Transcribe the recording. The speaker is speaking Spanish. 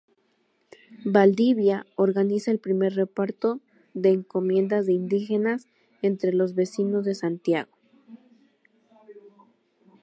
Valdivia organiza el primer reparto de encomiendas de indígenas entre los vecinos de Santiago.